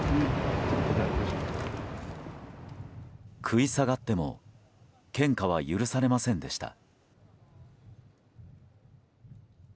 食い下がっても献花は許されませんでした。